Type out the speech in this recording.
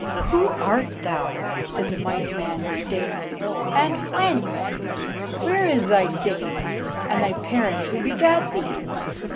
"Who art thou?" said the mighty man disdainfully, "and whence? Where is thy city, and thy parents who begat thee?"